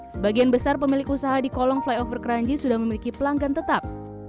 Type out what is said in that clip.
sebagian besar pemilik usaha di kolong flyover keranji sudah memiliki pelanggan tetap